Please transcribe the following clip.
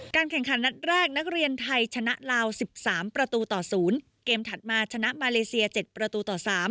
แข่งขันนัดแรกนักเรียนไทยชนะลาว๑๓ประตูต่อ๐เกมถัดมาชนะมาเลเซีย๗ประตูต่อ๓